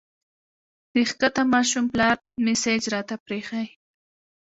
د ښکته ماشوم پلار مسېج راته پرېښی